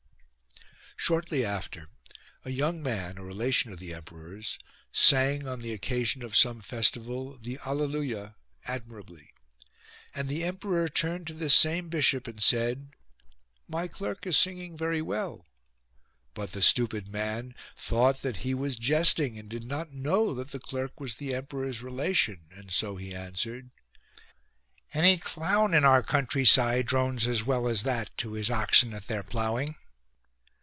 19. Shortly after a young man, a relation of the emperor's, sang, on the occasion of some festival, the Allelulia admirably : and the Emperor turned to this same bishop and said :" My clerk is singing very well." But the stupid man, thought that he was jesting and did not know that the clerk was the 87 POPE LEO AND THE ROMANS emperor's relation ; and so he answered :" Any clowTi in our countryside drones as well as that to his oxen at their ploughing."